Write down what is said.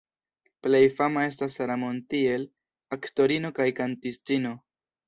Plej fama estas Sara Montiel, aktorino kaj kantistino.